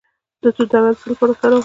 د توت دانه د څه لپاره وکاروم؟